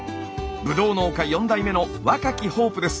ブドウ農家４代目の若きホープです。